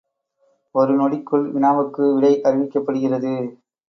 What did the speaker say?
ஒரு நொடிக்குள் வினாவுக்கு விடை அறிவிக்கப்படுகிறது.